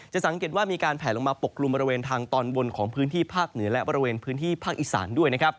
จะสังเกตว่ามีการแผ่ลงมาปกตรลุเลยมาทางตอนบนของพื้นที่ภาคเหนือและภาคอิสร์่อด้วย